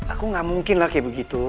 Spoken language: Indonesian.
aku gak mungkin lah kayak begitu